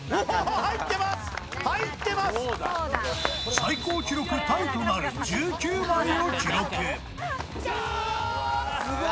最高記録タイとなる１９枚を記録。